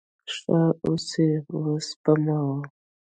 ښه، اوس یی وسپموه